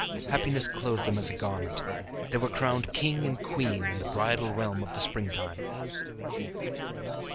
Happiness clothed them as a garment; they were crowned king and queen in the bridal realm of the springtime.